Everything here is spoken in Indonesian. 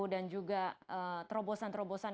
dan juga terobosan terobosan